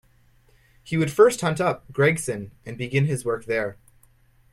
He would first hunt up Gregson and begin his work there.